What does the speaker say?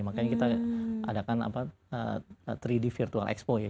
makanya kita adakan tiga d virtual expo ya